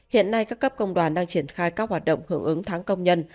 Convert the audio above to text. hiện nay các cấp công đoàn đang triển khai các hoạt động hưởng ứng tháng công nhân